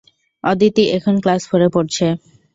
অদিতি এখন ক্লাস ফোরে পড়ছে।